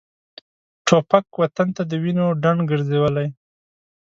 توپک وطن د وینو ډنډ ګرځولی.